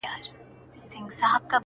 د یارانو مو یو یو دادی کمېږي-